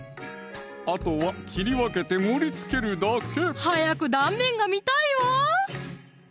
あとは切り分けて盛りつけるだけ早く断面が見たいわ！